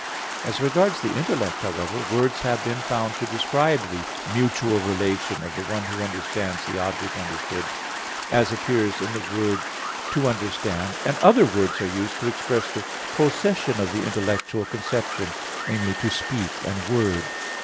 As regards the intellect, however, words have been found to describe the mutual relation of the one who understands the object understood, as appears in the word "to understand"; and other words are used to express the procession of the intellectual conception namely, "to speak," and "word."